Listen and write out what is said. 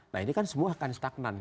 nah ini kan semua akan stagnan